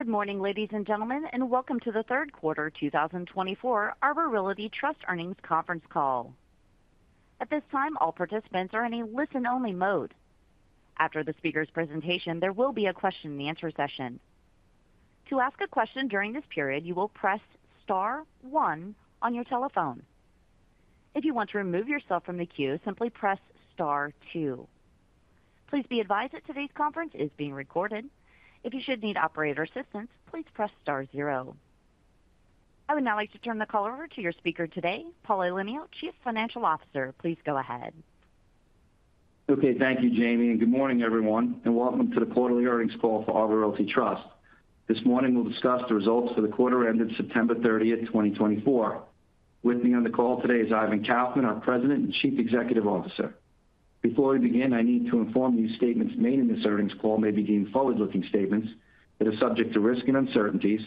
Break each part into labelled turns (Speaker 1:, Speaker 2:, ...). Speaker 1: Good morning, ladies and gentlemen, and welcome to the Q3 2024 Arbor Realty Trust Earnings Conference Call. At this time, all participants are in a listen-only mode. After the speaker's presentation, there will be a question-and-answer session. To ask a question during this period, you will press star one on your telephone. If you want to remove yourself from the queue, simply press star two. Please be advised that today's conference is being recorded. If you should need operator assistance, please press star zero. I would now like to turn the call over to your speaker today, Paul Elenio, Chief Financial Officer. Please go ahead.
Speaker 2: Okay. Thank you, Jamie. And good morning, everyone, and welcome to the quarterly earnings call for Arbor Realty Trust. This morning, we'll discuss the results for the quarter ended September 30th, 2024. With me on the call today is Ivan Kaufman, our President and Chief Executive Officer. Before we begin, I need to inform you statements made in this earnings call may be deemed forward-looking statements that are subject to risk and uncertainties,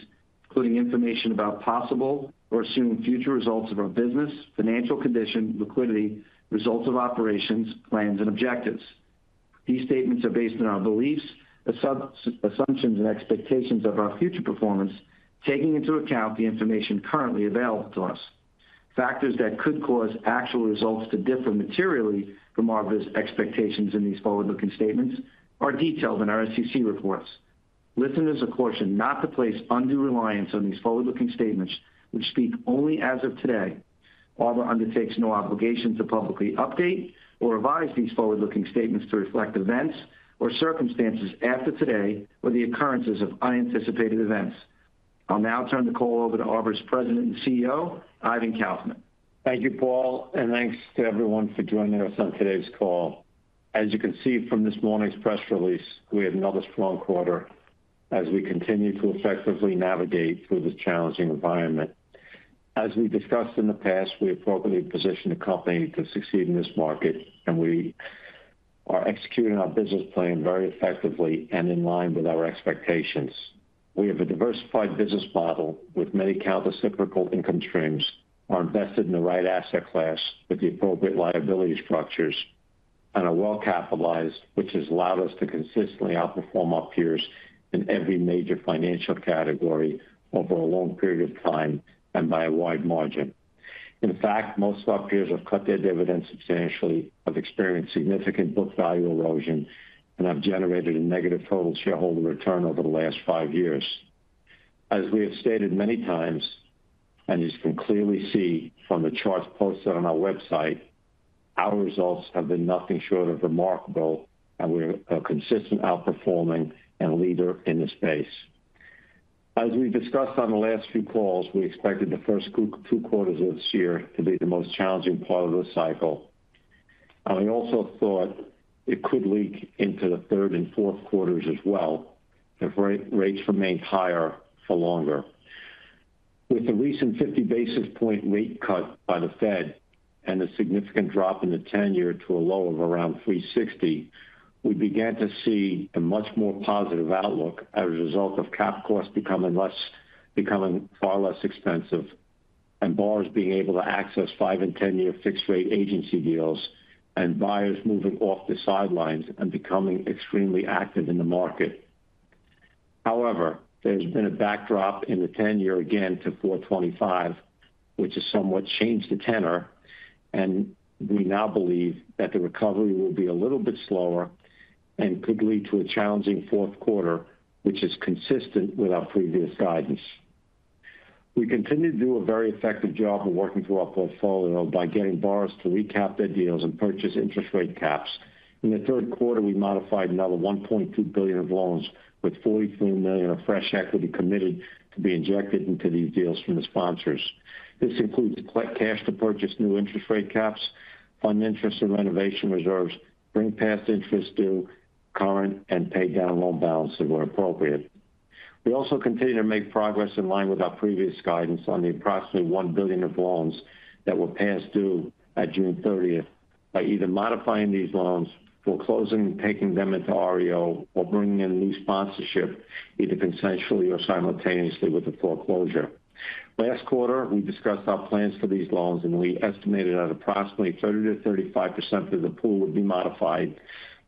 Speaker 2: including information about possible or assumed future results of our business, financial condition, liquidity, results of operations, plans, and objectives. These statements are based on our beliefs, assumptions, and expectations of our future performance, taking into account the information currently available to us. Factors that could cause actual results to differ materially from our expectations in these forward-looking statements are detailed in our SEC reports. Listeners, of course, should not place undue reliance on these forward-looking statements, which speak only as of today. Arbor undertakes no obligation to publicly update or revise these forward-looking statements to reflect events or circumstances after today or the occurrences of unanticipated events. I'll now turn the call over to Arbor's President and CEO, Ivan Kaufman.
Speaker 3: Thank you, Paul, and thanks to everyone for joining us on today's call. As you can see from this morning's press release, we have another strong quarter, as we continue to effectively navigate through this challenging environment. As we discussed in the past, we appropriately positioned the company to succeed in this market, and we are executing our business plan very effectively and in line with our expectations. We have a diversified business model with many counter-reciprocal income streams, are invested in the right asset class with the appropriate liability structures, and are well-capitalized, which has allowed us to consistently outperform our peers in every major financial category over a long period of time and by a wide margin. In fact, most of our peers have cut their dividends substantially, have experienced significant book value erosion, and have generated a negative total shareholder return over the last five years. As we have stated many times, and as you can clearly see from the charts posted on our website, our results have been nothing short of remarkable, and we are consistently outperforming a leader in the space. As we've discussed on the last few calls, we expected the first two quarters of this year to be the most challenging part of the cycle, and we also thought it could leak into the third and Q4s as well if rates remained higher for longer. With the recent 50 basis point rate cut by the Fed. And the significant drop in the 10-year Treasury to a low of around 360, we began to see a much more positive outlook as a result of cap costs becoming far less expensive and buyers being able to access five and ten-year fixed-rate agency deals and buyers moving off the sidelines and becoming extremely active in the market. However, there's been a backup in the 10-year Treasury again to 425, which has somewhat changed the tenor, and we now believe that the recovery will be a little bit slower and could lead to a challenging Q4, which is consistent with our previous guidance. We continue to do a very effective job of working through our portfolio by getting buyers to recap their deals and purchase interest rate caps. In the Q3, we modified another $1.2 billion of loans with $43 million of fresh equity committed to be injected into these deals from the sponsors. This includes cash to purchase new interest rate caps, fund interest and renovation reserves, bring past interest due, current, and pay down loan balances where appropriate. We also continue to make progress in line with our previous guidance on the approximately $1 billion of loans that were past due at June 30th by either modifying these loans, foreclosing, taking them into REO, or bringing in new sponsorship either consensually or simultaneously with the foreclosure. Last quarter, we discussed our plans for these loans, and we estimated that approximately 30%-35% of the pool would be modified,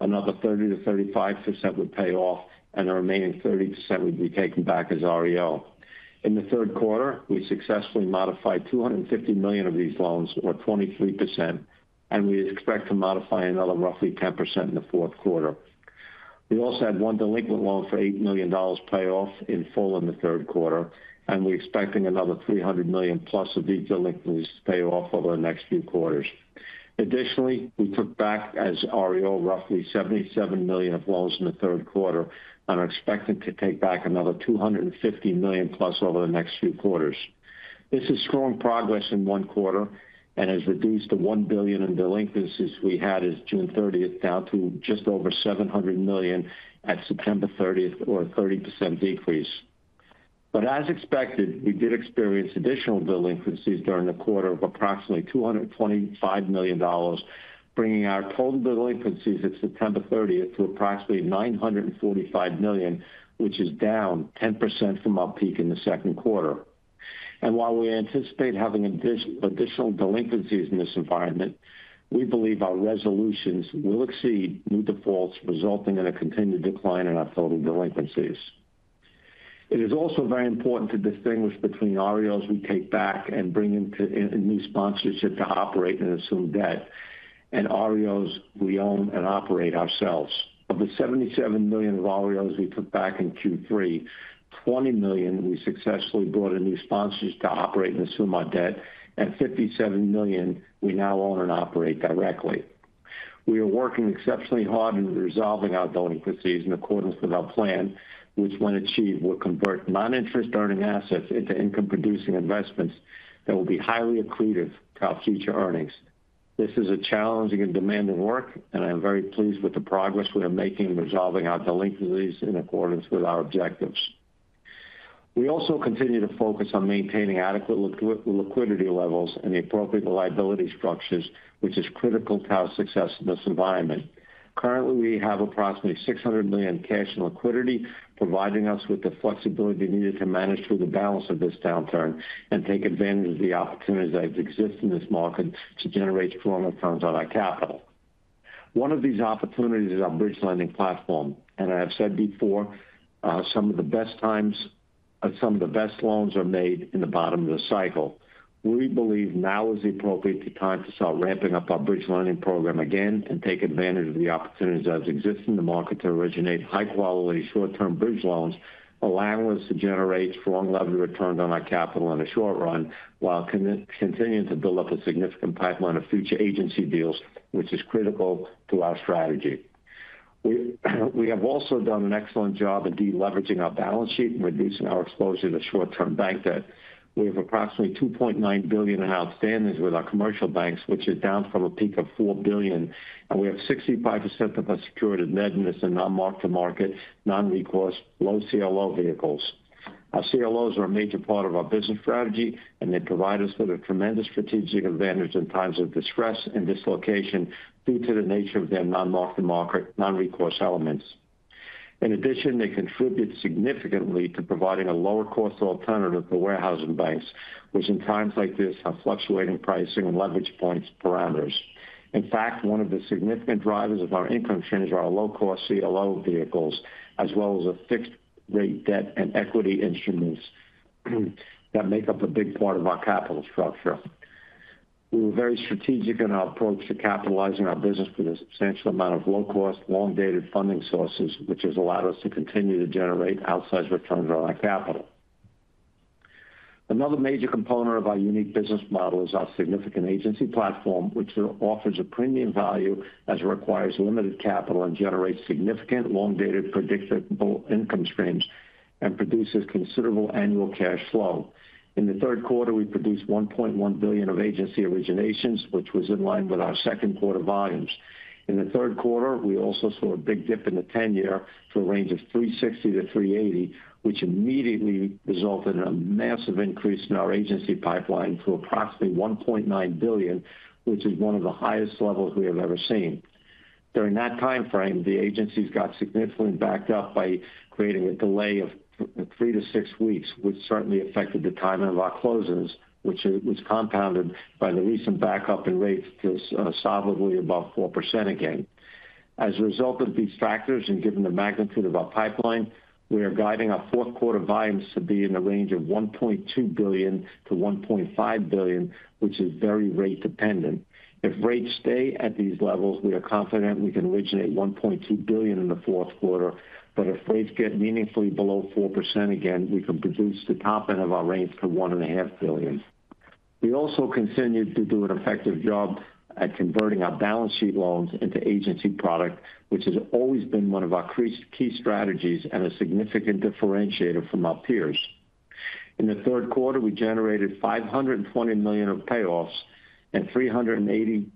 Speaker 3: another 30%-35% would pay off, and the remaining 30% would be taken back as REO. In the Q3, we successfully modified $250 million of these loans, or 23%, and we expect to modify another roughly 10% in the Q4. We also had one delinquent loan for $8 million pay off in full in the Q3, and we're expecting another $300 million plus of these delinquencies to pay off over the next few quarters. Additionally, we took back as REO roughly $77 million of loans in the Q3 and are expecting to take back another $250 million plus over the next few quarters. This is strong progress in one quarter and has reduced the $1 billion in delinquencies we had as of June 30th down to just over $700 million at September 30th, or a 30% decrease. As expected, we did experience additional delinquencies during the quarter of approximately $225 million, bringing our total delinquencies at September 30th to approximately $945 million, which is down 10% from our peak in the Q2. While we anticipate having additional delinquencies in this environment, we believe our resolutions will exceed new defaults, resulting in a continued decline in our total delinquencies. It is also very important to distinguish between REOs we take back and bring in new sponsorship to operate and assume debt, and REOs we own and operate ourselves of the $77 million of REOs we took back in Q3, $20 million we successfully brought in new sponsors to operate and assume our debt, and $57 million we now own and operate directly. We are working exceptionally hard in resolving our delinquencies in accordance with our plan, which, when achieved, will convert non-interest earning assets into income-producing investments that will be highly accretive to our future earnings. This is a challenging and demanding work, and I'm very pleased with the progress we are making in resolving our delinquencies in accordance with our objectives. We also continue to focus on maintaining adequate liquidity levels and the appropriate liability structures, which is critical to our success in this environment. Currently, we have approximately $600 million cash in liquidity, providing us with the flexibility needed to manage through the balance of this downturn and take advantage of the opportunities that exist in this market to generate strong returns on our capital. One of these opportunities is our bridge lending platform, and I have said before, some of the best times, some of the best loans are made in the bottom of the cycle. We believe now is the appropriate time to start ramping up our bridge lending program again and take advantage of the opportunities that exist in the market to originate high-quality short-term bridge loans, allowing us to generate strong leverage returns on our capital in the short run while continuing to build up a significant pipeline of future agency deals, which is critical to our strategy. We have also done an excellent job in deleveraging our balance sheet and reducing our exposure to short-term bank debt. We have approximately $2.9 billion in outstandings with our commercial banks, which is down from a peak of $4 billion, and we have 65% of our secured indebtedness in non-mark-to-market, non-recourse, low-cost CLO vehicles. Our CLOs are a major part of our business strategy, and they provide us with a tremendous strategic advantage in times of distress and dislocation due to the nature of their non-mark-to-market, non-recourse elements. In addition, they contribute significantly to providing a lower-cost alternative to warehouse banks, which in times like this have fluctuating pricing and leverage point parameters. In fact, one of the significant drivers of our income change are our low-cost CLO vehicles, as well as fixed-rate debt and equity instruments that make up a big part of our capital structure. We were very strategic in our approach to capitalizing our business with a substantial amount of low-cost, long-dated funding sources, which has allowed us to continue to generate outsized returns on our capital. Another major component of our unique business model is our significant agency platform, which offers a premium value as it requires limited capital and generates significant long-dated predictable income streams and produces considerable annual cash flow. In the Q3, we produced $1.1 billion of agency originations, which was in line with our Q2 volumes. In the Q3, we also saw a big dip in the 10-year Treasury to a range of 360-380, which immediately resulted in a massive increase in our agency pipeline to approximately $1.9 billion, which is one of the highest levels we have ever seen. During that time frame, the agencies got significantly backed up by creating a delay of three to six weeks, which certainly affected the timing of our closings, which was compounded by the recent backup in rates to solidly above 4% again. As a result of these factors and given the magnitude of our pipeline, we are guiding our Q4 volumes to be in the range of $1.2-$1.5 billion, which is very rate-dependent. If rates stay at these levels, we are confident we can originate $1.2 billion in the Q4, but if rates get meaningfully below 4% again, we can produce the top end of our range to $1.5 billion. We also continue to do an effective job at converting our balance sheet loans into agency product, which has always been one of our key strategies and a significant differentiator from our peers. In the Q3, we generated $520 million of payoffs and $385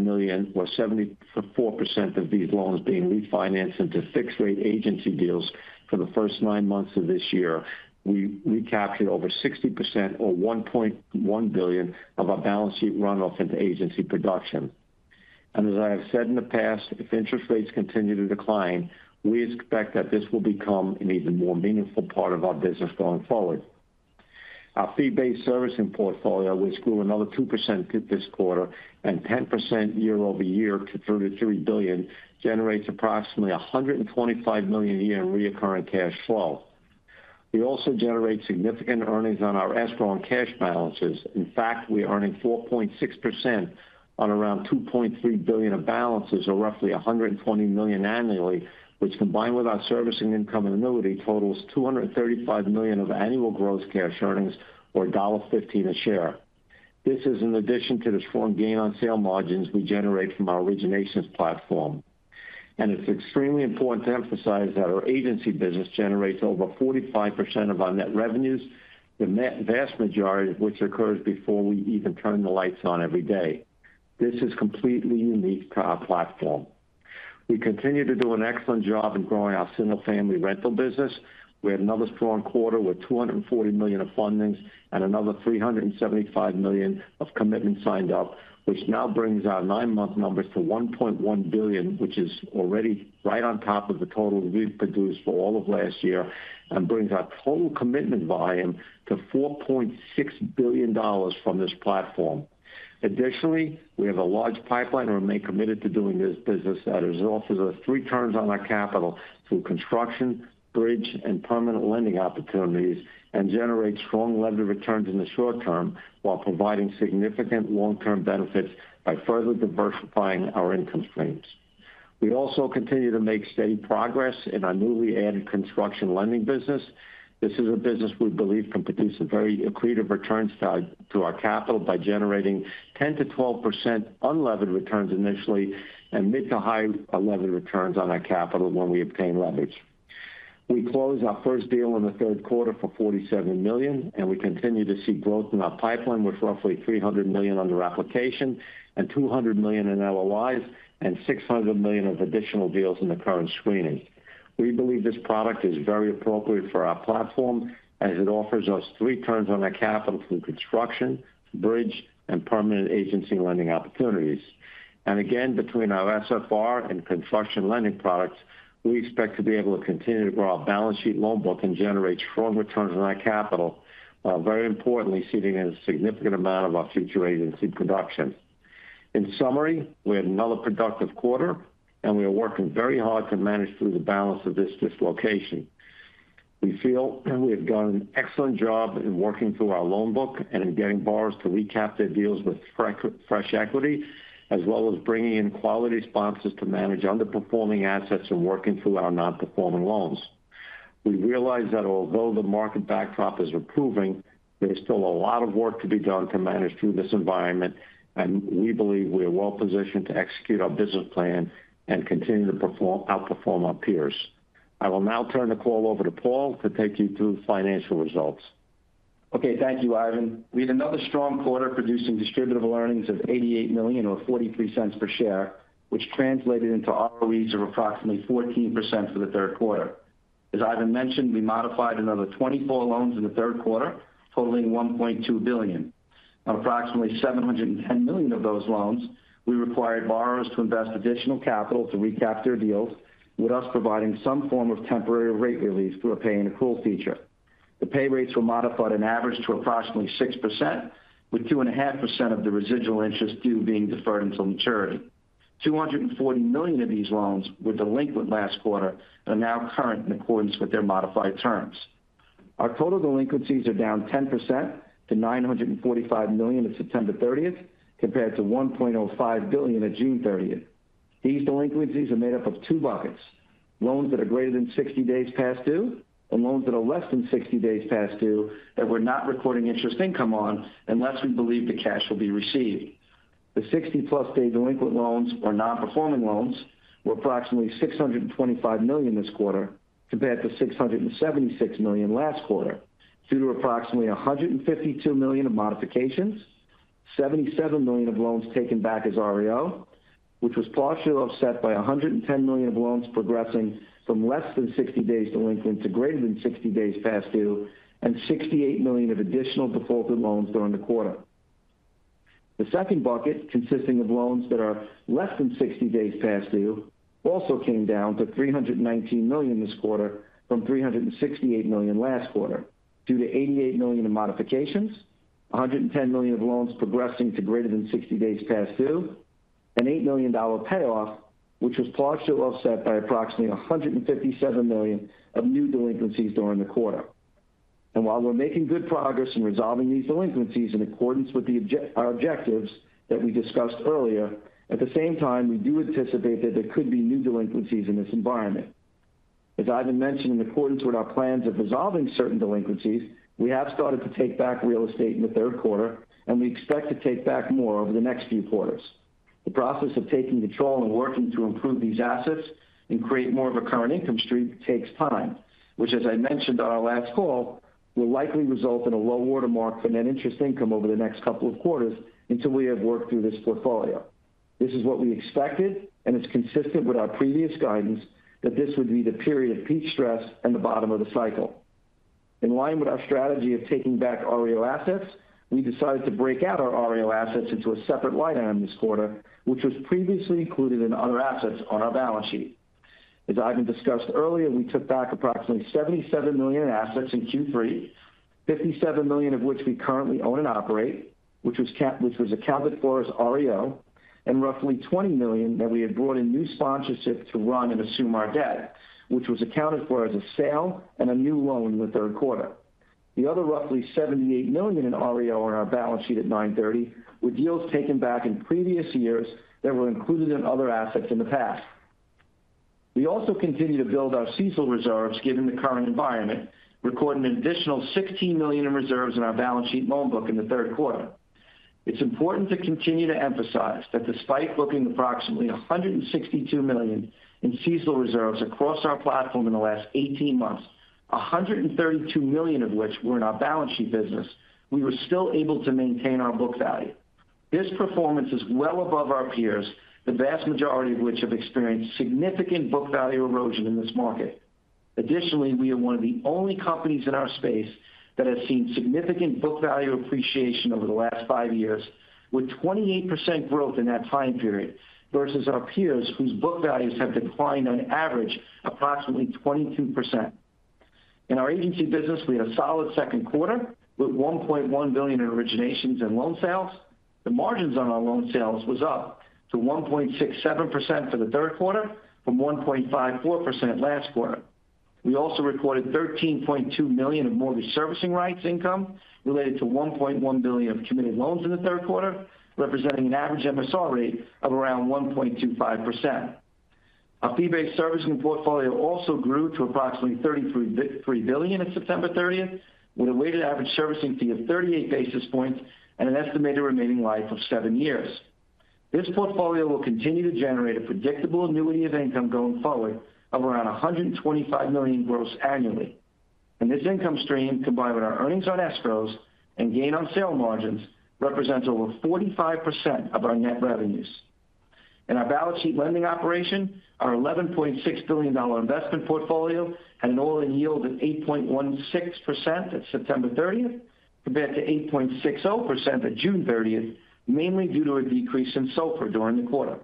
Speaker 3: million, or 74% of these loans being refinanced into fixed-rate agency deals for the first nine months of this year. We recaptured over 60%, or $1.1 billion, of our balance sheet runoff into agency production, and as I have said in the past, if interest rates continue to decline, we expect that this will become an even more meaningful part of our business going forward. Our fee-based servicing portfolio, which grew another two% this quarter and 10% year over year to $33 billion, generates approximately $125 million a year in recurring cash flow. We also generate significant earnings on our escrow and cash balances in fact, we are earning 4.6% on around $2.3 billion of balances, or roughly $120 million annually, which combined with our servicing income and annuity totals $235 million of annual gross cash earnings, or $1.15 a share. This is in addition to the strong gain on sale margins we generate from our originations platform. And it's extremely important to emphasize that our agency business generates over 45% of our net revenues, the vast majority of which occurs before we even turn the lights on every day. This is completely unique to our platform. We continue to do an excellent job in growing our single-family rental business. We had another strong quarter with $240 million of fundings and another $375 million of commitments signed up, which now brings our nine-month numbers to $1.1 billion, which is already right on top of the total we've produced for all of last year and brings our total commitment volume to $4.6 billion from this platform. Additionally, we have a large pipeline and remain committed to doing this business that results as three turns on our capital through construction, bridge, and permanent lending opportunities and generate strong leverage returns in the short term while providing significant long-term benefits by further diversifying our income streams. We also continue to make steady progress in our newly added construction lending business. This is a business we believe can produce a very accretive return to our capital by generating 10%-12% unleveraged returns initially and mid to high leverage returns on our capital when we obtain leverage. We closed our first deal in the Q3 for $47 million, and we continue to see growth in our pipeline with roughly $300 million under application. And $200 million in LOIs and $600 million of additional deals in the current screening. We believe this product is very appropriate for our platform as it offers us three turns on our capital through construction, bridge, and permanent agency lending opportunities. And again, between our SFR and construction lending products, we expect to be able to continue to grow our balance sheet loan book and generate strong returns on our capital, very importantly seeding a significant amount of our future agency production. In summary, we had another productive quarter, and we are working very hard to manage through the balance of this dislocation. We feel we have done an excellent job in working through our loan book and in getting buyers to recap their deals with fresh equity, as well as bringing in quality sponsors to manage underperforming assets and working through our non-performing loans. We realize that although the market backdrop is improving, there's still a lot of work to be done to manage through this environment, and we believe we are well positioned to execute our business plan and continue to outperform our peers. I will now turn the call over to Paul to take you through the financial results.
Speaker 2: Okay, thank you, Ivan. We had another strong quarter producing distributable earnings of $88 million, or $0.43 per share, which translated into ROEs of approximately 14% for the Q3. As Ivan mentioned, we modified another 24 loans in the Q3, totaling $1.2 billion. On approximately $710 million of those loans, we required borrowers to invest additional capital to recap their deals, with us providing some form of temporary rate relief through a pay-and-accrual feature. The pay rates were modified on average to approximately 6%, with 2.5% of the residual interest due being deferred until maturity. $240 million of these loans were delinquent last quarter and are now current in accordance with their modified terms. Our total delinquencies are down 10% to $945 million at September 30th, compared to $1.05 billion at June 30th. These delinquencies are made up of two buckets: loans that are greater than 60 days past due and loans that are less than 60 days past due that we're not recording interest income on unless we believe the cash will be received. The 60-plus day delinquent loans, or non-performing loans, were approximately $625 million this quarter, compared to $676 million last quarter, due to approximately $152 million of modifications, $77 million of loans taken back as REO, which was partially offset by $110 million of loans progressing from less than 60 days delinquent to greater than 60 days past due, and $68 million of additional defaulted loans during the quarter. The second bucket, consisting of loans that are less than 60 days past due, also came down to $319 million this quarter from $368 million last quarter, due to $88 million of modifications, $110 million of loans progressing to greater than 60 days past due, and $8 million payoff, which was partially offset by approximately $157 million of new delinquencies during the quarter. And while we're making good progress in resolving these delinquencies in accordance with our objectives that we discussed earlier, at the same time, we do anticipate that there could be new delinquencies in this environment. As Ivan mentioned, in accordance with our plans of resolving certain delinquencies, we have started to take back real estate in the Q3, and we expect to take back more over the next few quarters. The process of taking control and working to improve these assets and create more of a current income stream takes time, which, as I mentioned on our last call, will likely result in a low watermark for net interest income over the next couple of quarters until we have worked through this portfolio. This is what we expected, and it's consistent with our previous guidance that this would be the period of peak stress and the bottom of the cycle. In line with our strategy of taking back REO assets, we decided to break out our REO assets into a separate line item this quarter, which was previously included in other assets on our balance sheet. As Ivan discussed earlier, we took back approximately $77 million in assets in Q3, $57 million of which we currently own and operate, which was accounted for as REO, and roughly $20 million that we had brought in new sponsorship to run and assume our debt, which was accounted for as a sale and a new loan in the Q3. The other roughly $78 million in REO on our balance sheet at 9/30 were deals taken back in previous years that were included in other assets in the past. We also continue to build our CECL reserves given the current environment, recording an additional $16 million in reserves in our balance sheet loan book in the Q3. It's important to continue to emphasize that despite booking approximately $162 million in CECL reserves across our platform in the last 18 months, $132 million of which were in our balance sheet business, we were still able to maintain our book value. This performance is well above our peers, the vast majority of which have experienced significant book value erosion in this market. Additionally, we are one of the only companies in our space that has seen significant book value appreciation over the last five years, with 28% growth in that time period versus our peers whose book values have declined on average approximately 22%. In our agency business, we had a solid Q2 with $1.1 billion in originations and loan sales. The margins on our loan sales were up to 1.67% for the Q3 from 1.54% last quarter. We also recorded $13.2 million of mortgage servicing rights income related to $1.1 billion of committed loans in the Q3, representing an average MSR rate of around 1.25%. Our fee-based servicing portfolio also grew to approximately $33 billion at September 30th, with a weighted average servicing fee of 38 basis points and an estimated remaining life of seven years. This portfolio will continue to generate a predictable annuity of income going forward of around $125 million gross annually. And this income stream, combined with our earnings on escrows and gain on sale margins, represents over 45% of our net revenues. In our balance sheet lending operation, our $11.6 billion investment portfolio had an all-in yield of 8.16% at September 30th, compared to 8.60% at June 30th, mainly due to a decrease in SOFR during the quarter.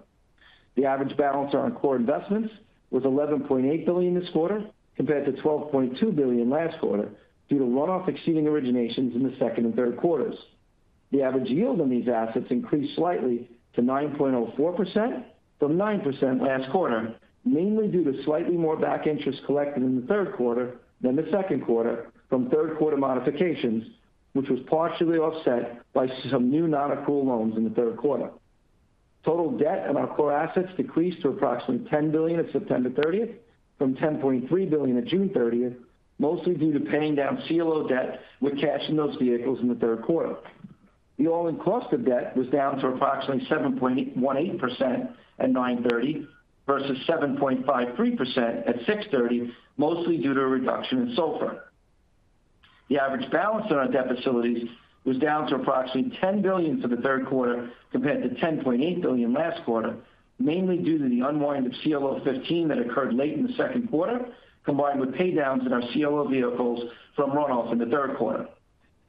Speaker 2: The average balance on our core investments was $11.8 billion this quarter, compared to $12.2 billion last quarter, due to runoff exceeding originations in the second and Q3s. The average yield on these assets increased slightly to 9.04% from 9% last quarter, mainly due to slightly more back interest collected in the Q3 than the Q2 from Q3 modifications, which was partially offset by some new non-accrual loans in the Q3. Total debt on our core assets decreased to approximately $10 billion at September 30th from $10.3 billion at June 30th, mostly due to paying down CLO debt with cash in those vehicles in the Q3. The all-in cost of debt was down to approximately 7.18% at 930 versus 7.53% at 6/30, mostly due to a reduction in SOFR. The average balance on our debt facilities was down to approximately $10 billion for the Q3, compared to $10.8 billion last quarter, mainly due to the unwind of CLO 15 that occurred late in the Q2, combined with paydowns in our CLO vehicles from runoff in the Q3.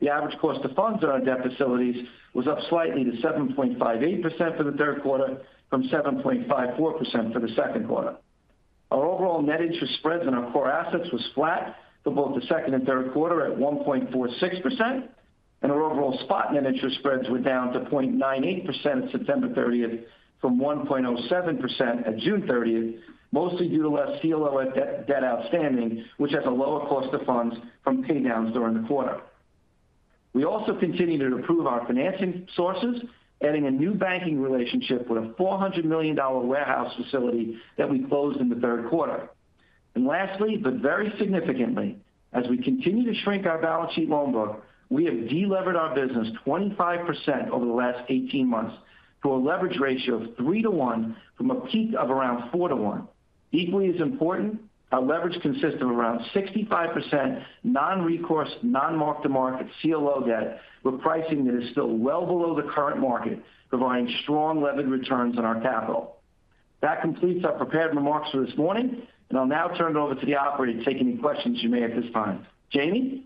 Speaker 2: The average cost of funds on our debt facilities was up slightly to 7.58% for the Q3 from 7.54% for the Q2. Our overall net interest spreads on our core assets were flat. For both the second and Q3 at 1.46%, and our overall spot net interest spreads were down to 0.98% at September 30th from 1.07% at June 30th, mostly due to less CLO debt outstanding, which has a lower cost of funds from paydowns during the quarter. We also continued to improve our financing sources, adding a new banking relationship with a $400 million warehouse facility that we closed in the Q3. And lastly, but very significantly, as we continue to shrink our balance sheet loan book, we have de-levered our business 25% over the last 18 months to a leverage ratio of 3-1 from a peak of around 4-1. Equally as important, our leverage consists of around 65% non-recourse, non-mark-to-market CLO debt with pricing that is still well below the current market, providing strong levered returns on our capital. That completes our prepared remarks for this morning, and I'll now turn it over to the operator to take any questions you may have at this time. Jamie?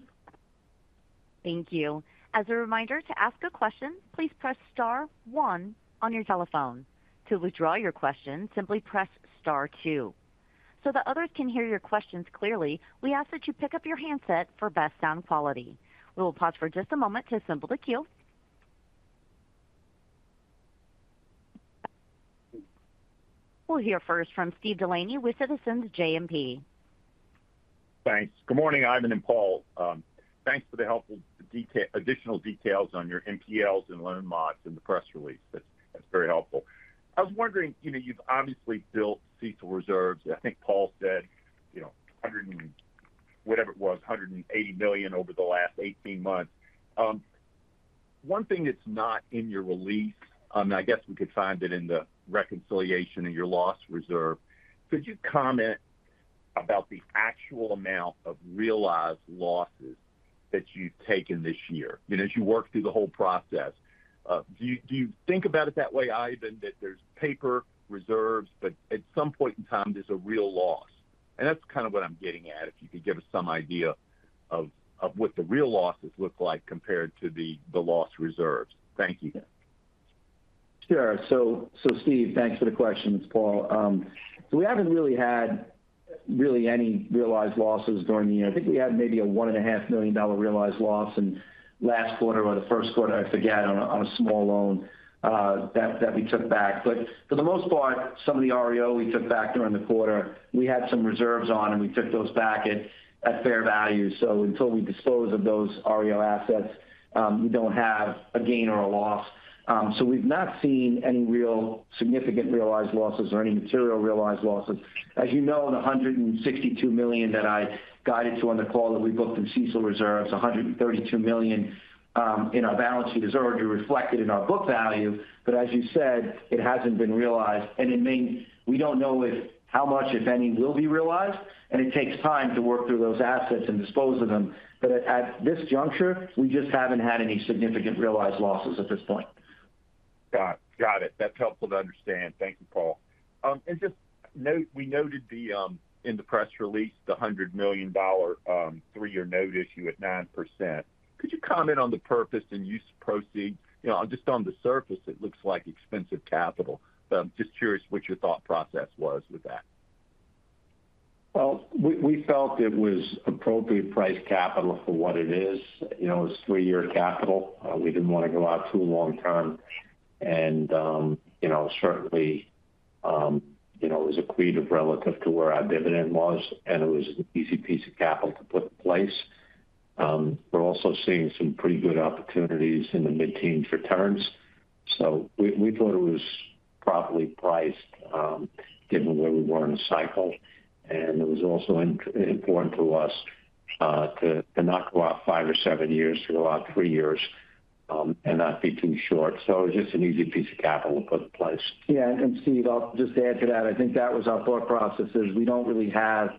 Speaker 1: Thank you. As a reminder, to ask a question, please press star one on your telephone. To withdraw your question, simply press star two. So that others can hear your questions clearly, we ask that you pick up your handset for best sound quality. We will pause for just a moment to assemble the queue. We'll hear first from Steve Delaney with Citizens JMP.
Speaker 4: Thanks. Good morning, Ivan and Paul. Thanks for the help with the additional details on your NPLs and loan mods in the press release that's very helpful. I was wondering, you've obviously built CECL reserves. I think Paul said whatever it was, $180 million over the last 18 months. One thing that's not in your release, and I guess we could find it in the reconciliation and your loss reserve, could you comment? about the actual amount of realized losses that you've taken this year as you work through the whole process? Do you think about it that way, Ivan, that there's paper reserves, but at some point in time, there's a real loss? And that's kind of what I'm getting at, if you could give us some idea of what the real losses look like compared to the loss reserves. Thank you.
Speaker 2: Sure. So, Steve, thanks for the questions, Paul. So we haven't really had any realized losses during the year. I think we had maybe a $1.5 million realized loss in last quarter or the Q1, I forget, on a small loan that we took back but for the most part, some of the REO we took back during the quarter, we had some reserves on, and we took those back at fair value so until we dispose of those REO assets, we don't have a gain or a loss. So we've not seen any real significant realized losses or any material realized losses. As you know, the $162 million that I guided to on the call that we booked in CECL reserves, $132 million in our balance sheet is already reflected in our book value. But as you said, it hasn't been realized. And we don't know how much, if any, will be realized, and it takes time to work through those assets and dispose of them. But at this juncture, we just haven't had any significant realized losses at this point.
Speaker 4: Got it. That's helpful to understand. Thank you, Paul. And just note, we noted in the press release the $100 million three-year note issue at 9%. Could you comment on the purpose and use of proceeds? Just on the surface, it looks like expensive capital. But I'm just curious what your thought process was with that.
Speaker 3: We felt it was appropriately priced capital for what it is. It's three-year capital. We didn't want to go out too long-term, and certainly, it was adequate relative to where our dividend was, and it was an easy piece of capital to put in place. We're also seeing some pretty good opportunities in the mid-teens returns. So we thought it was properly priced, given where we were in the cycle, and it was also important to us to not go out five or seven years, to go out three years and not be too short, so it was just an easy piece of capital to put in place.
Speaker 2: Yeah. Steve, I'll just add to that i think that was our thought process it is we don't really have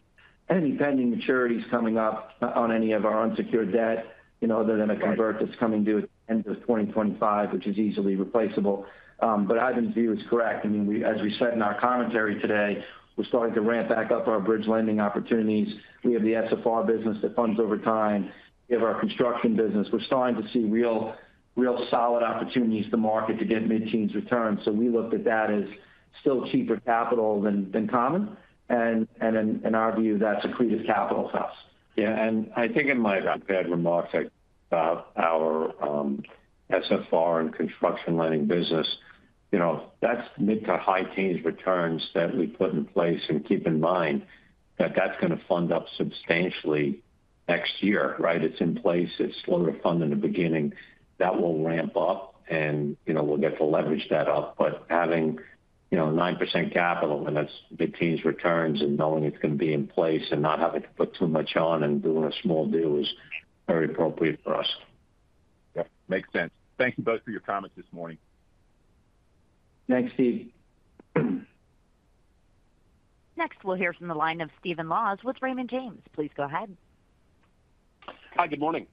Speaker 2: any pending maturities coming up on any of our unsecured debt other than a convert that's coming due at the end of 2025, which is easily replaceable. But Ivan's view is correct i mean, as we said in our commentary today, we're starting to ramp back up our bridge lending opportunities. We have the SFR business that funds over time. We have our construction business we're starting to see real solid opportunities in the market to get mid-teens returns so we looked at that as still cheaper capital than common. And in our view, that's cheap capital for us.
Speaker 3: Yeah. And I think in my prepared remarks about our SFR and construction lending business, that's mid- to high-teens returns that we put in place and keep in mind that that's going to ramp up substantially next year, right? It's in place. It's slower fund in the beginning that will ramp up, and we'll get to leverage that up but having 9% capital and that's mid-teens returns and knowing it's going to be in place and not having to put too much on and doing a small deal is very appropriate for us.
Speaker 4: Makes sense. Thank you both for your comments this morning.
Speaker 2: Thanks, Steve.
Speaker 1: Next, we'll hear from the line of Stephen Laws with Raymond James. Please go ahead.
Speaker 5: Hi, good morning.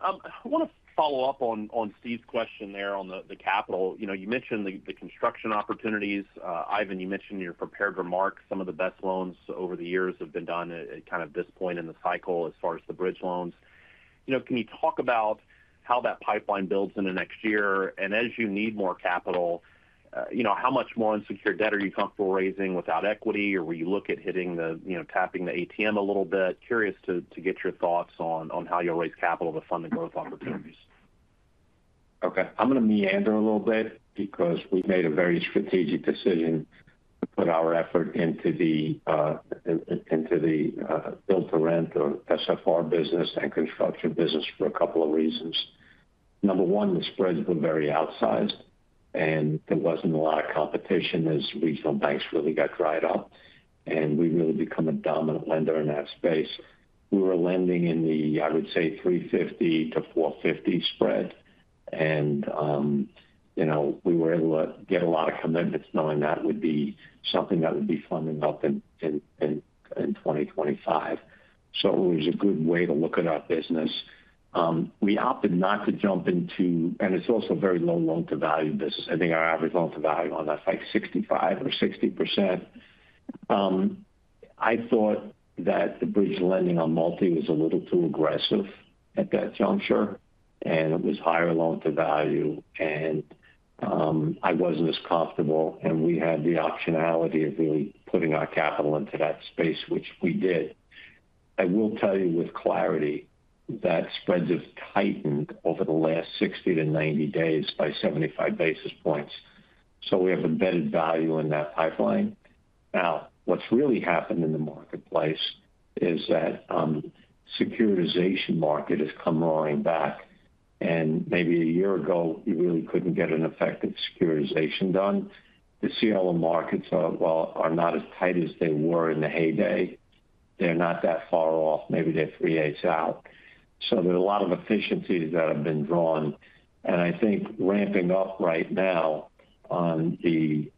Speaker 5: I want to follow up on Steve's question there on the capital you mentioned the construction opportunities. Ivan, you mentioned in your prepared remarks, some of the best loans over the years have been done at kind of this point in the cycle as far as the bridge loans. Can you talk about how that pipeline builds into next year? And as you need more capital. How much more unsecured debt are you comfortable raising without equity?, or will you look at tapping the ATM a little bit? Curious to get your thoughts on how you'll raise capital to fund the growth opportunities.
Speaker 3: Okay. I'm going to meander a little bit because we've made a very strategic decision to put our effort into the built-to-rent or SFR business and construction business for a couple of reasons. Number one, the spreads were very outsized, and there wasn't a lot of competition as regional banks really got dried up. And we really became a dominant lender in that space. We were lending in the, I would say, 350-450 spread. And we were able to get a lot of commitments knowing that would be something that would be funding up in 2025. So it was a good way to look at our business. We opted not to jump into, and it's also a very low loan-to-value business i think our average loan-to-value on that's like 65 or 60%. I thought that the bridge lending on multi was a little too aggressive at that juncture, and it was higher loan-to-value. And I wasn't as comfortable, and we had the optionality of really putting our capital into that space, which we did. I will tell you with clarity that spreads have tightened over the last 60-90 days by 75 basis points. So we have embedded value in that pipeline. Now, what's really happened in the marketplace is that the securitization market has come rolling back. And maybe a year ago, you really couldn't get an effective securitization done. The CLO markets are not as tight as they were in the heyday. They're not that far off maybe they're three-eighths out. So there are a lot of efficiencies that have been drawn, and I think ramping up right now on the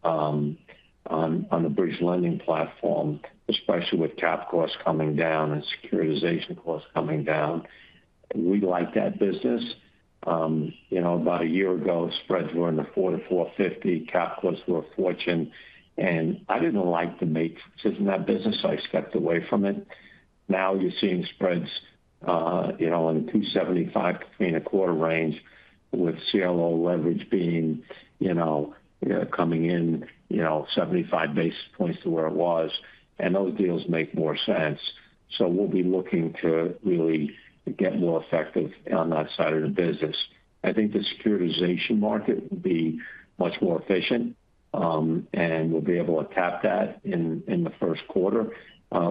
Speaker 3: bridge lending platform, especially with cap costs coming down and securitization costs coming down, we like that business. About a year ago, spreads were in the 400-450 Cap costs were a fortune, and I didn't like the metrics in that business, so I stepped away from it. Now you're seeing spreads in the 275-300 quarter range with CLO leverage coming in 75 basis points to where it was, and those deals make more sense, so we'll be looking to really get more effective on that side of the business. I think the securitization market will be much more efficient, and we'll be able to tap that in the Q1,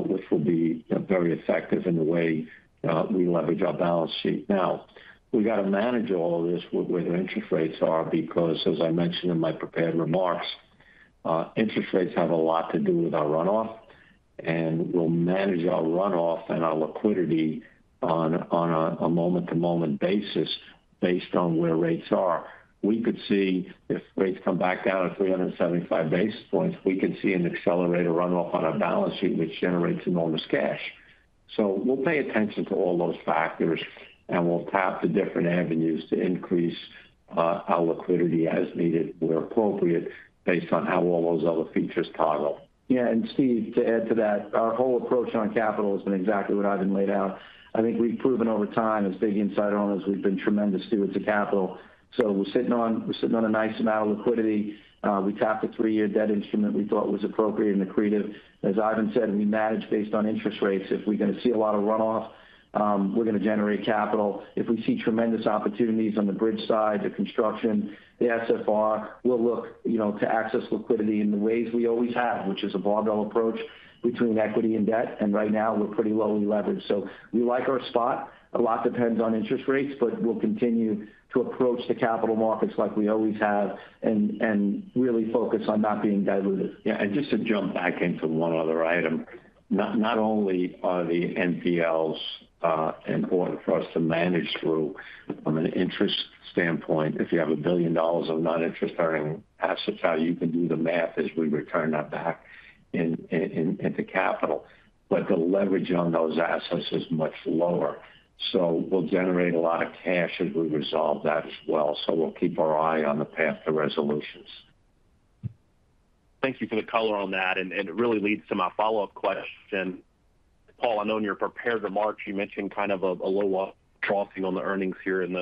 Speaker 3: which will be very effective in the way we leverage our balance sheet. Now, we've got to manage all of this with where the interest rates are because, as I mentioned in my prepared remarks. Interest rates have a lot to do with our runoff, and we'll manage our runoff and our liquidity on a moment-to-moment basis based on where rates are. We could see if rates come back down to 375 basis points, we can see an accelerator runoff on our balance sheet, which generates enormous cash, so we'll pay attention to all those factors, and we'll tap the different avenues to increase our liquidity as needed where appropriate based on how all those other features toggle.
Speaker 2: Yeah. Steve, to add to that, our whole approach on capital has been exactly what Ivan laid out. I think we've proven over time as big insider owners, we've been tremendous stewards of capital. We're sitting on a nice amount of liquidity. We tapped a three-year debt instrument we thought was appropriate and accretive. As Ivan said, we manage based on interest rates if we're going to see a lot of runoff. We're going to generate capital. If we see tremendous opportunities on the bridge side, the construction, the SFR, we'll look to access liquidity in the ways we always have, which is a barbell approach between equity and debt. Right now, we're pretty lowly levered. We like our spot. A lot depends on interest rates, but we'll continue to approach the capital markets like we always have and really focus on not being diluted.
Speaker 3: Yeah and just to jump back into one other item, not only are the NPLs important for us to manage through from an interest standpoint if you have $1 billion of non-interest earning assets, how you can do the math as we return that back into capital. But the leverage on those assets is much lower. So we'll generate a lot of cash as we resolve that as well. So we'll keep our eye on the path to resolutions.
Speaker 5: Thank you for the color on that. And it really leads to my follow-up question. Paul, I know in your prepared remarks, you mentioned kind of a low dropping on the earnings here in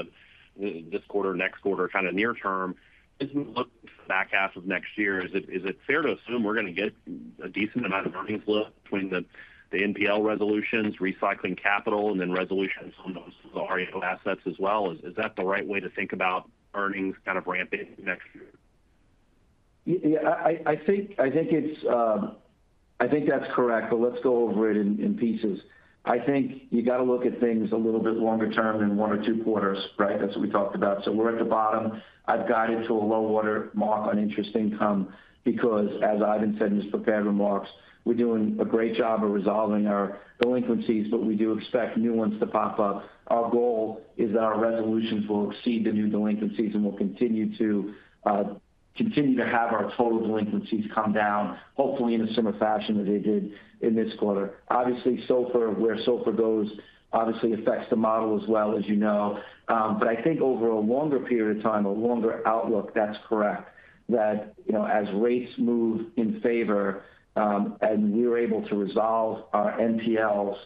Speaker 5: this quarter, next quarter, kind of near term. As we look to the back half of next year, is it fair to assume we're going to get a decent amount of earnings look between the NPL resolutions, recycling capital, and then resolutions on those REO assets as well? Is that the right way to think about earnings kind of ramping next year?
Speaker 2: Yeah. I think that's correct, but let's go over it in pieces. I think you've got to look at things a little bit longer term than one or two quarters, right? That's what we talked about so we're at the bottom. I've guided to a low water mark on interest income because, as Ivan said in his prepared remarks. We're doing a great job of resolving our delinquencies, but we do expect new ones to pop up. Our goal is that our resolutions will exceed the new delinquencies and will continue to have our total delinquencies come down, hopefully in a similar fashion as they did in this quarter. Obviously, where SOFR goes obviously affects the model as well, as you know. But I think over a longer period of time, a longer outlook, that's correct, that as rates move in favor and we're able to resolve our NPLs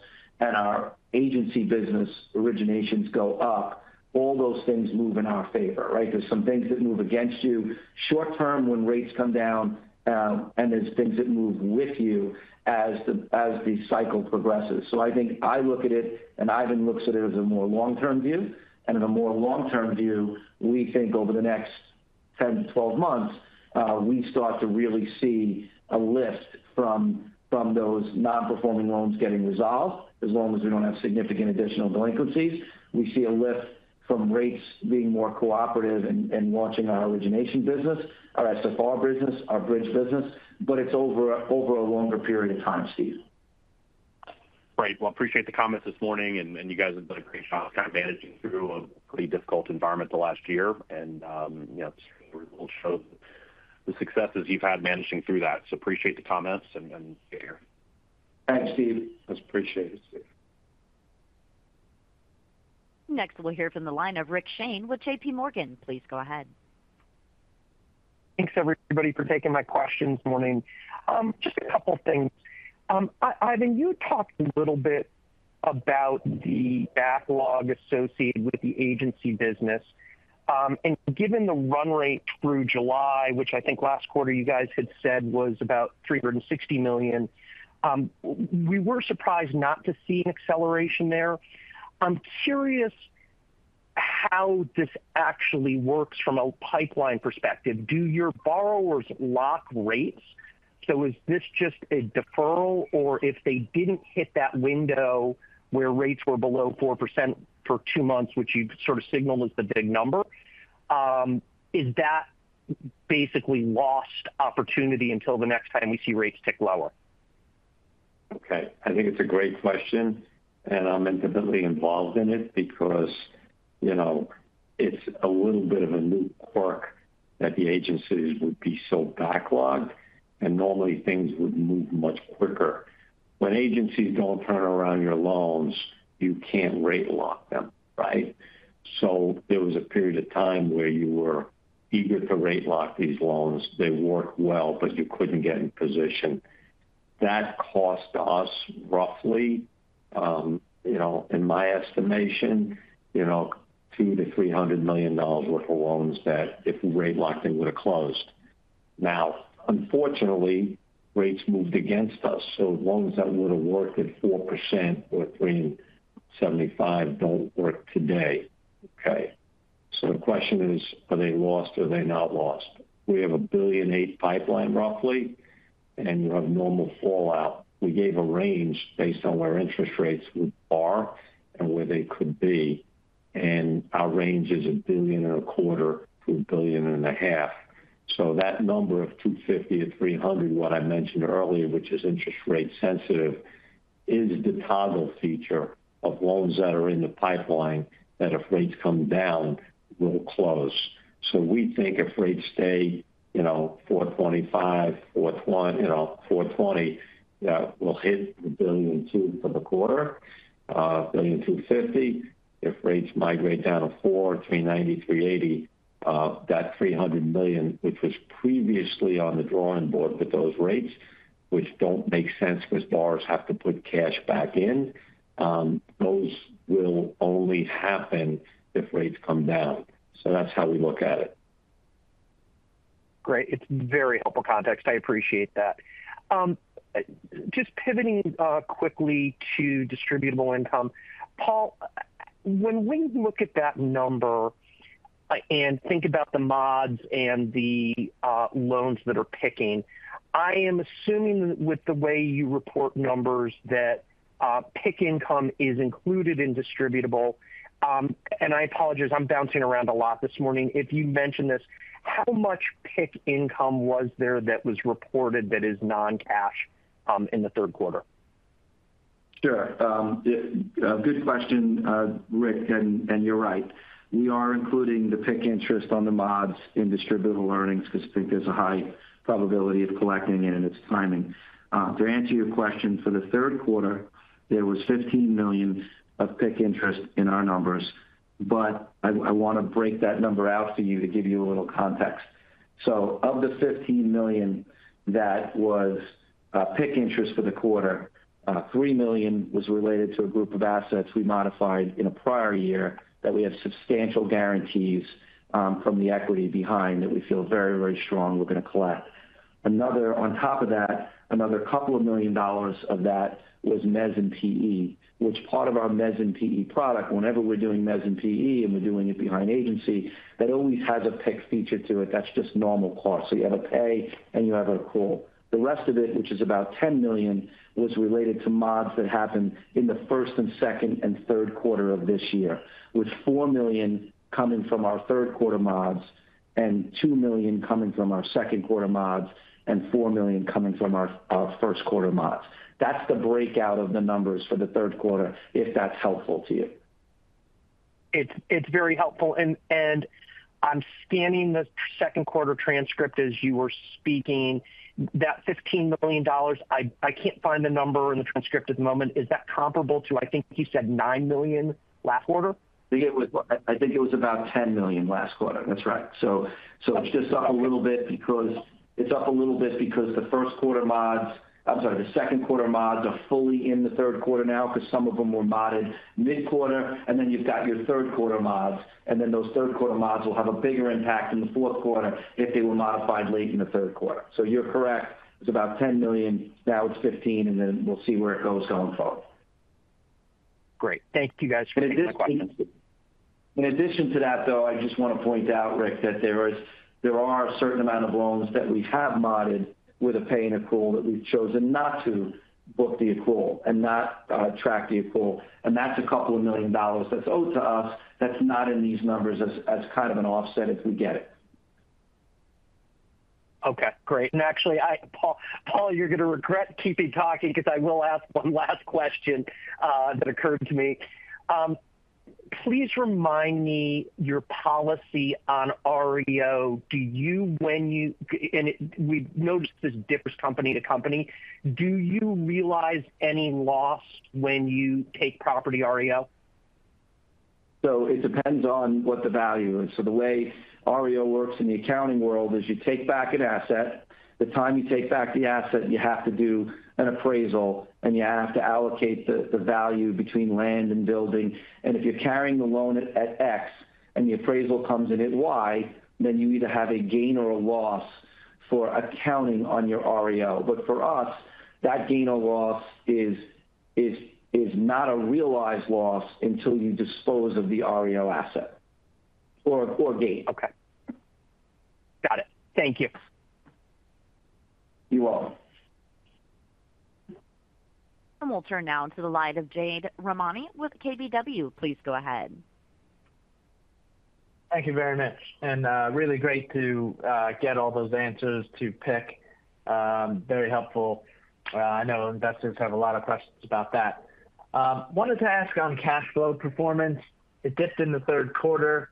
Speaker 2: and our agency business originations go up, all those things move in our favor, right? There's some things that move against you short term when rates come down, and there's things that move with you as the cycle progresses so I think I look at it, and Ivan looks at it as a more long-term view. In a more long-term view, we think over the next 10-2 months. We start to really see a lift from those non-performing loans getting resolved as long as we don't have significant additional delinquencies. We see a lift from rates being more cooperative and launching our origination business, our SFR business, our bridge business but it's over a longer period of time, Steph.
Speaker 5: Right. Well, appreciate the comments this morning and you guys have done a great job kind of managing through a pretty difficult environment the last year. And certainly, we'll show the successes you've had managing through that so appreciate the comments and stay here.
Speaker 3: Thanks, Steph
Speaker 2: Appreciate it, Steph.
Speaker 1: Next, we'll hear from the line of Rick Shane with J.P. Morgan. Please go ahead.
Speaker 6: Thanks, everybody, for taking my questions this morning. Just a couple of things. Ivan, you talked a little bit about the backlog associated with the agency business. And given the run rate through July, which I think last quarter you guys had said was about $360 million, we were surprised not to see an acceleration there. I'm curious how this actually works from a pipeline perspective do your borrowers lock rates? So is this just a deferral? Or if they didn't hit that window where rates were below 4% for two months, which you've sort of signaled is the big number, is that basically lost opportunity until the next time we see rates tick lower?
Speaker 3: Okay. I think it's a great question. And I'm intimately involved in it because it's a little bit of a new quirk that the agencies would be so backlogged. And normally, things would move much quicker. When agencies don't turn around your loans, you can't rate lock them, right? So there was a period of time where you were eager to rate lock these loans they worked well, but you couldn't get in position. That cost us roughly, in my estimation, $200-$300 million worth of loans that if rate locking would have closed. Now, unfortunately, rates moved against us so loans that would have worked at 4% or 375 don't work today. Okay. So the question is, are they lost or are they not lost? We have a $1.8 billion pipeline roughly, and we have normal fallout. We gave a range based on where interest rates would are and where they could be. And our range is $1.25-$1.5 billion. So that number of 250-300, what I mentioned earlier, which is interest rate sensitive, is the toggle feature of loans that are in the pipeline that if rates come down, will close. So we think if rates stay 4.25%, 4.20%, we'll hit $1.2 billion for the quarter. $1.25 billion. If rates migrate down to, 3.80%, that 300 million, which was previously on the drawing board with those rates. Which don't make sense because borrowers have to put cash back in, those will only happen if rates come down. So that's how we look at it.
Speaker 6: Great. It's very helpful context i appreciate that. Just pivoting quickly to distributable income. Paul, when we look at that number and think about the mods and the loans that are PIKing, I am assuming with the way you report numbers that PIK income is included in distributable. I apologize. I'm bouncing around a lot this morning if you mentioned this, how much PIK income was there that was reported that is non-cash in the Q3?
Speaker 2: Sure. Good question, Rich and you're right. We are including the PIK interest on the mods in distributable earnings because I think there's a high probability of collecting it and it's timing. To answer your question, for the Q3, there was $15 million of PIK interest in our numbers. But I want to break that number out for you to give you a little context. So of the $15 million that was PIK interest for the quarter, $3 million was related to a group of assets we modified in a prior year that we have substantial guarantees from the equity behind that we feel very, very strong we're going to collect. On top of that, another couple of million dollars of that was Mezzanine PE, which part of our Mezzanine PE product, whenever we're doing Mezzanine PE and we're doing it behind agency, that always has a PIK feature to it that's just normal cost so you have a pay and you have an accrual. The rest of it, which is about $10 million, was related to mods that happened in the Q1 and Q2 and Q3 of this year, with $4 million coming from our Q3 mods and $2 million coming from our Q2 mods and $4 million coming from our Q1 mods. That's the breakout of the numbers for the Q3, if that's helpful to you.
Speaker 6: It's very helpful. And I'm scanning the Q2 transcript as you were speaking. That $15 million, I can't find the number in the transcript at the moment is that comparable to, I think you said, $9 million last quarter?
Speaker 2: I think it was about $10 million last quarter that's right. So it's just up a little bit because it's up a little bit because the Q1 mods. I'm sorry, the Q2 mods are fully in the Q3 now because some of them were modded mid-quarter and then you've got your Q3 mods. And then those Q3 mods will have a bigger impact in the Q4 if they were modified late in the Q3. So you're correct. It's about $10 million now it's $15 million, and then we'll see where it goes going forward.
Speaker 6: Great. Thank you guys for taking my questions.
Speaker 3: In addition to that, though, I just want to point out, Rich, that there are a certain amount of loans that we have modded with a pay and accrual that we've chosen not to book the accrual and not track the accrual. And that's $2 million that's owed to us. That's not in these numbers as kind of an offset if we get it.
Speaker 6: Okay. Great and actually, Paul, you're going to regret keeping talking because I will ask one last question that occurred to me. Please remind me your policy on REO. Do you, when you, and we noticed this differs company to company, do you realize any loss when you take property REO?
Speaker 2: So it depends on what the value is. So the way REO works in the accounting world is you take back an asset. The time you take back the asset, you have to do an appraisal, and you have to allocate the value between land and building. And if you're carrying the loan at X and the appraisal comes in at Y, then you either have a gain or a loss for accounting on your REO. But for us, that gain or loss is not a realized loss until you dispose of the REO asset or gain.
Speaker 6: Okay. Got it. Thank you.
Speaker 7: You're welcome.
Speaker 1: And we'll turn now to the line of Jade Rahmani with KBW. Please go ahead.
Speaker 7: Thank you very much. And really great to get all those answers to PIK. Very helpful. I know investors have a lot of questions about that. Wanted to ask on cash flow performance. It dipped in the Q3.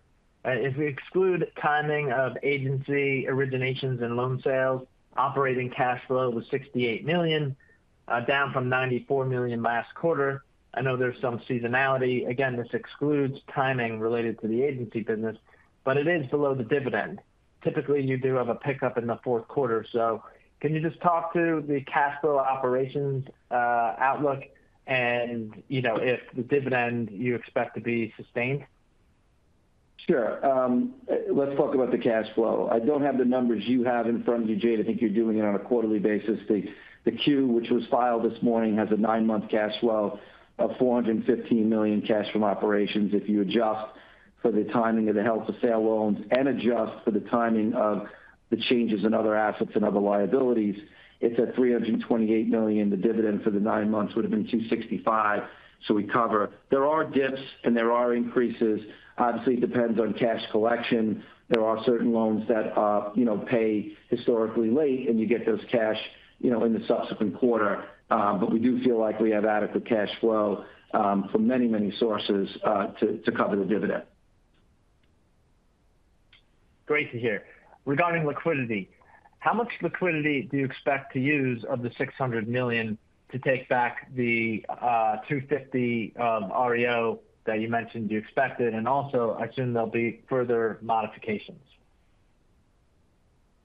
Speaker 7: If we exclude timing of agency originations and loan sales, operating cash flow was $68 million, down from $94 million last quarter. I know there's some seasonality again, this excludes timing related to the agency business, but it is below the dividend. Typically, you do have a pickup in the Q4 so can you just talk to the cash flow operations outlook and if the dividend you expect to be sustained?
Speaker 2: Sure. Let's talk about the cash flow. I don't have the numbers you have in front of you, Jade i think you're doing it on a quarterly basis. The 10-Q, which was filed this morning, has a nine-month cash flow of $415 million cash from operations. If you adjust for the timing of the held-for-sale loans and adjust for the timing of the changes in other assets and other liabilities, it's at $328 million the dividend for the nine months would have been 265. So we cover. There are dips, and there are increases. Obviously, it depends on cash collection. There are certain loans that pay historically late, and you get those cash in the subsequent quarter. But we do feel like we have adequate cash flow from many, many sources to cover the dividend.
Speaker 7: Great to hear. Regarding liquidity, how much liquidity do you expect to use of the $600 million to take back the $250 million of REO that you mentioned? Do you expect it? And also, I assume there'll be further modifications.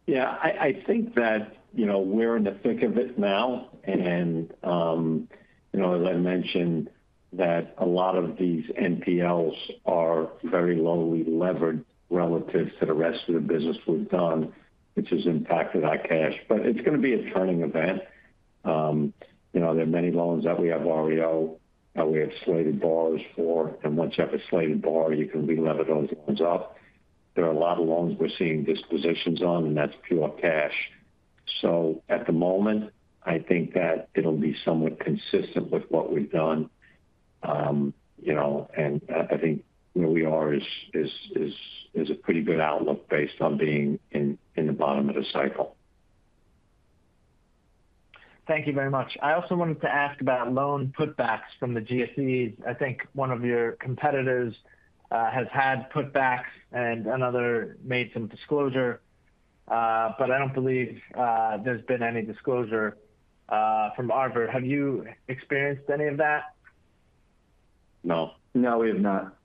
Speaker 3: Yeah. I think that we're in the thick of it now. And as I mentioned, a lot of these NPLs are very lowly levered relative to the rest of the business we've done, which has impacted our cash but it's going to be a turning event. There are many loans that we have REO that we have slated for sale and once you have a slated for sale, you can relever those loans up. There are a lot of loans we're seeing dispositions on, and that's pure cash. So at the moment, I think that it'll be somewhat consistent with what we've done. And I think where we are is a pretty good outlook based on being in the bottom of the cycle.
Speaker 7: Thank you very much. I also wanted to ask about loan putbacks from the GSEs i think one of your competitors has had putbacks and another made some disclosure. But I don't believe there's been any disclosure from Arbor. Have you experienced any of that?
Speaker 3: No. No, we have not.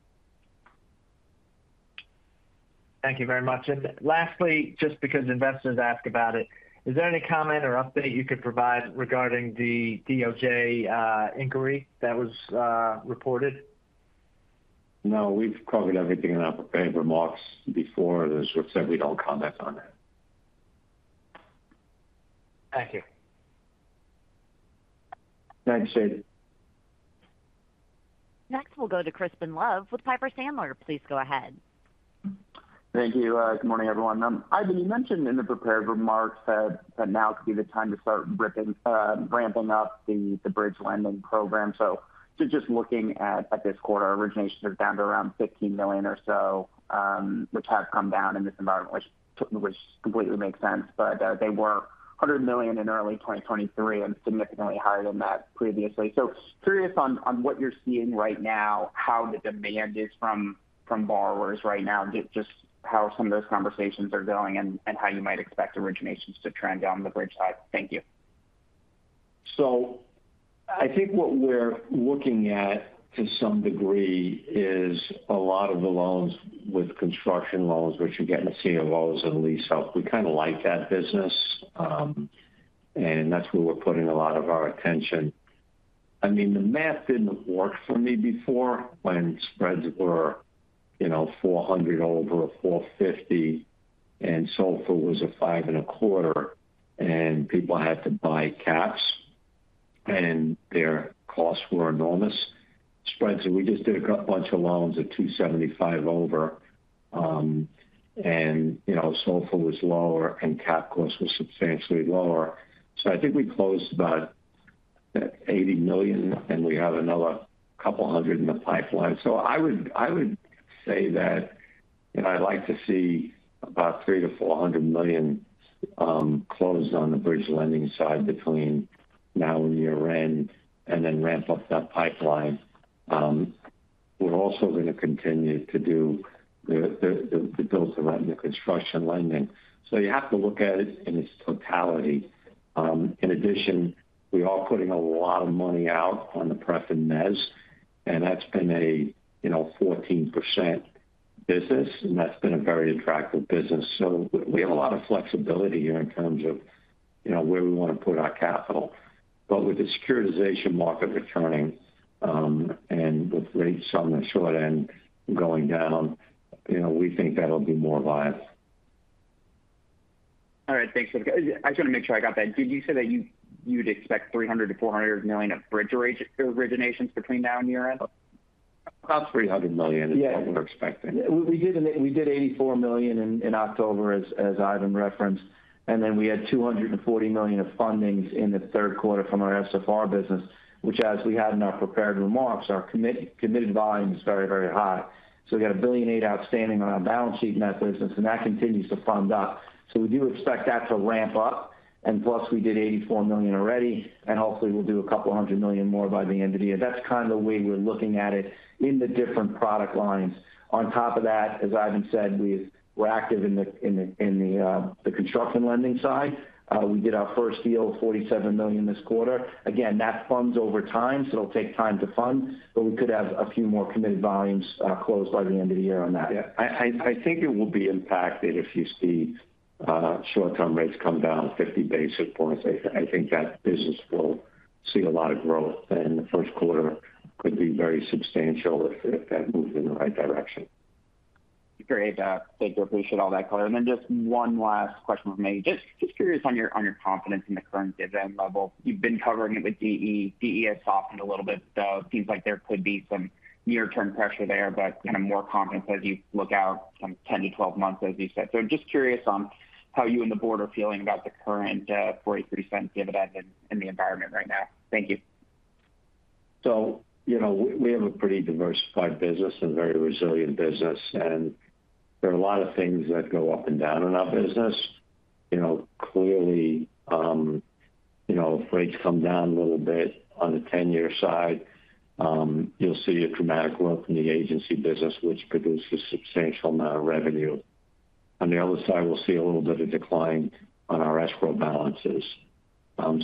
Speaker 7: Thank you very much and lastly, just because investors ask about it, is there any comment or update you could provide regarding the DOJ inquiry that was reported?
Speaker 2: No. We've covered everything in our prepared remarks before as Rich said, we don't comment on that.
Speaker 7: Thank you.
Speaker 2: Thanks, Jade.
Speaker 1: Next, we'll go to Crispin Love with Piper Sandler. Please go ahead.
Speaker 8: Thank you. Good morning, everyone. Ivan, you mentioned in the prepared remarks that now could be the time to start ramping up the bridge lending program. So just looking at this quarter, originations are down to around $15 million or so. Which have come down in this environment, which completely makes sense but they were $100 million in early 2023 and significantly higher than that previously. So curious on what you're seeing right now, how the demand is from borrowers right now, just how some of those conversations are going and how you might expect originations to trend down the bridge side thank you.
Speaker 3: I think what we're looking at to some degree is a lot of the loans with construction loans, which you're getting to see in loans and leasehold we kind of like that business. And that's where we're putting a lot of our attention. I mean, the math didn't work for me before when spreads were 400 over 450 and SOFR was a five and a quarter, and people had to buy caps and their costs were enormous. Spreads, we just did a bunch of loans at 275 over, and SOFR was lower and cap costs were substantially lower. So I think we closed about $80 million, and we have another couple hundred in the pipeline. So I would say that I'd like to see about $300-$400 million closed on the bridge lending side between now and year-end and then ramp up that pipeline. We're also going to continue to do the build-to-rent construction lending. So you have to look at it in its totality. In addition, we are putting a lot of money out on the pref and mezz, and that's been a 14% business, and that's been a very attractive business so we have a lot of flexibility here in terms of where we want to put our capital. But with the securitization market returning and with rates on the short end going down, we think that'll be more viable.
Speaker 8: All right. Thanks I just want to make sure I got that did you say that you'd expect $300-$400 million of bridge originations between now and year-end?
Speaker 3: About $300 million is what we're expecting.
Speaker 2: Yeah w`e did $84 million in October, as Ivan referenced. And then we had $240 million of fundings in the Q3 from our SFR business, which, as we had in our prepared remarks, our committed volume is very, very high. So we got $1.8 billion outstanding on our balance sheet, net, and that continues to fund us. So we do expect that to ramp up. And plus, we did $84 million already, and hopefully, we'll do a couple hundred million more by the end of the year that's kind of the way we're looking at it in the different product lines. On top of that, as Ivan said, we're active in the construction lending side. We did our first deal, $47 million this quarter. Again, that funds over time, so it'll take time to fund. But we could have a few more committed volumes closed by the end of the year on that.
Speaker 3: Yeah. I think it will be impacted if you see short-term rates come down 50 basis points ithink that business will see a lot of growth, and the Q1 could be very substantial if that moves in the right direction.
Speaker 8: Great. Thank you i appreciate all that color. And then just one last question for me. Just curious on your confidence in the current dividend level. You've been covering it with DE. DE has softened a little bit. So it seems like there could be some near-term pressure there, but kind of more confidence as you look out 10-12 months, as you said so I'm just curious on how? you and the board are feeling about the current $0.43 dividend in the environment right now thank you.
Speaker 3: So we have a pretty diversified business and very resilient business. And there are a lot of things that go up and down in our business. Clearly, if rates come down a little bit on the 10-year side, you'll see a dramatic growth in the agency business, which produces a substantial amount of revenue. On the other side, we'll see a little bit of decline on our escrow balances.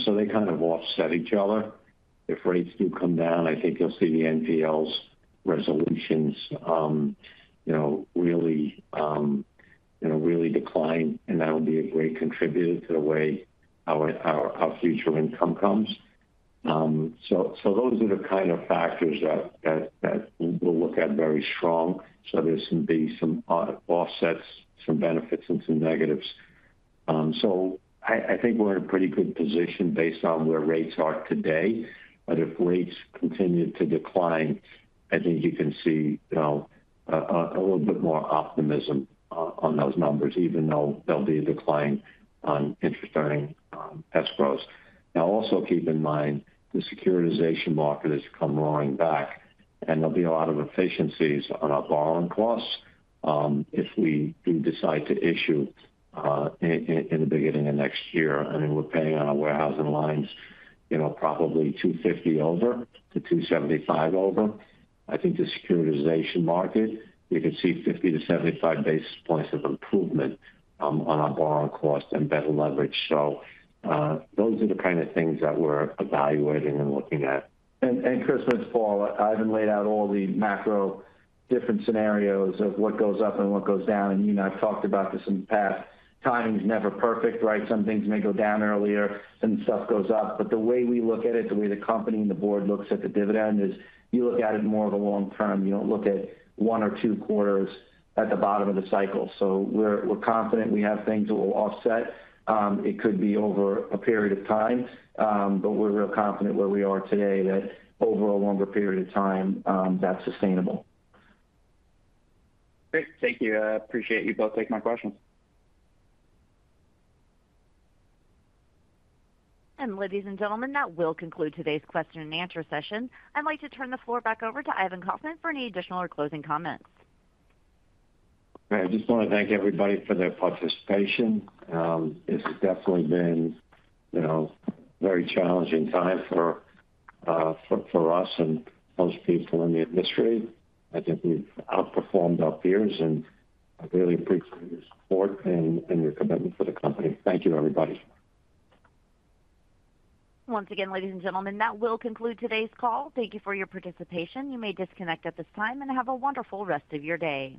Speaker 3: So they kind of offset each other. If rates do come down, I think you'll see the NPLs resolutions really decline, and that'll be a great contributor to the way our future income comes. So those are the kind of factors that we'll look at very strong. So there's going to be some offsets, some benefits, and some negatives. So I think we're in a pretty good position based on where rates are today. But if rates continue to decline, I think you can see a little bit more optimism on those numbers, even though there'll be a decline on interest-earning escrows. Now, also keep in mind the securitization market has come roaring back, and there'll be a lot of efficiencies on our borrowing costs if we do decide to issue in the beginning of next year i mean, we're paying on our warehousing lines, probably 250 over to 275 over. I think the securitization market, you can see 50-75 basis points of improvement on our borrowing cost and better leverage. So those are the kind of things that we're evaluating and looking at. Crispin and Paul, Ivan laid out all the macro different scenarios of what goes up and what goes down you and I've talked about this in the past. Timing's never perfect, right? Some things may go down earlier and stuff goes up the way we look at it, the way the company and the board looks at the dividend is you look at it more of a long-term you don't look at one or two quarters at the bottom of the cycle. We're confident we have things that will offset. It could be over a period of time, but we're real confident where we are today that over a longer period of time, that's sustainable.
Speaker 8: Great. Thank you. I appreciate you both taking my questions.
Speaker 1: Ladies and gentlemen, that will conclude today's question and answer session. I'd like to turn the floor back over to Ivan Kaufman for any additional or closing comments.
Speaker 3: I just want to thank everybody for their participation. This has definitely been a very challenging time for us and most people in the industry. I think we've outperformed our peers, and I really appreciate your support and your commitment to the company. Thank you, everybody. Once again, ladies and gentlemen, that will conclude today's call. Thank you for your participation. You may disconnect at this time and have a wonderful rest of your day.